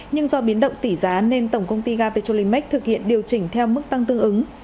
nhưng do biến động tỷ giá nên tổng công ty ga petrolimex thực hiện điều chỉnh theo mức tăng tương ứng